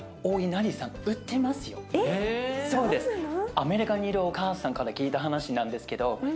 アメリカにいるお母さんから聞いた話なんですけどへえ！